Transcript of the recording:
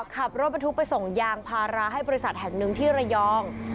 ขับรถบรรทุกไปส่งยางพาราให้บริษัทแห่งหนึ่งที่ระยอง